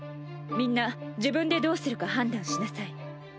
みんな自分でどうするか判断しなさい。